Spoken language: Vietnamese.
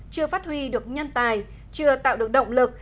chưa phát huy được nhân tài chưa tạo được động lực